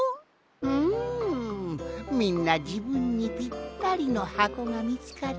うんみんなじぶんにぴったりのはこがみつかってよかったのう。